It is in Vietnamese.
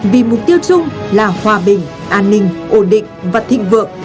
vì mục tiêu chung là hòa bình an ninh ổn định và thịnh vượng